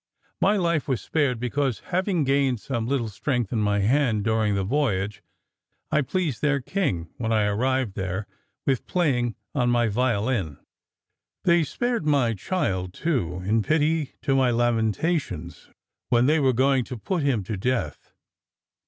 My life was spared, because, having gained some little strength in my hand during the voyage, I pleased their king when I arrived there with playing on my violin. "They spared my child too, in pity to my lamentations, when they were going to put him to death.